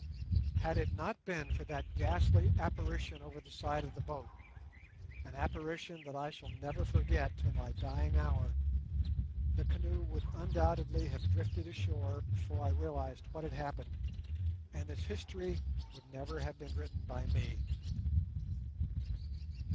Had it not been for that ghastly apparition over the side of the boat—an apparition that I shall never forget till my dying hour—the canoe would undoubtedly have drifted ashore before I realised what had happened, and this history would never have been written by me.